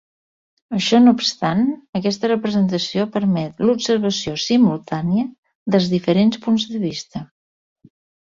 Això no obstant, aquesta representació permet l'observació simultània dels diferents punts de vista.